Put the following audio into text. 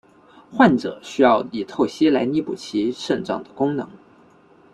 患者需要以透析来弥补其肾脏的功能。